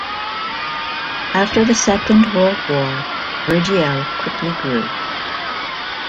After the Second World War, Virgiel quickly grew.